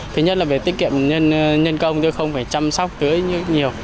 tuy nhiên là tiết kiệm nhân công không phải chăm sóc tưới nhiều